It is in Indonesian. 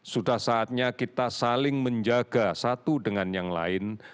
sudah saatnya kita saling menjaga satu dengan yang lain